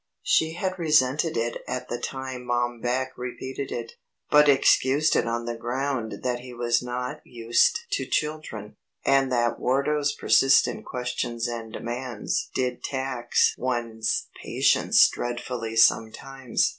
She had resented it at the time Mom Beck repeated it, but excused it on the ground that he was not used to children, and that Wardo's persistent questions and demands did tax one's patience dreadfully sometimes.